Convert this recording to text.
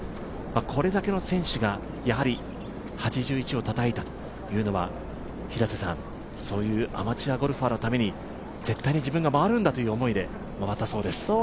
これだけの選手が８１をたたいたというのは、そういうアマチュアゴルファーのために、絶対に自分が回るんだという思いで、回ったそうです。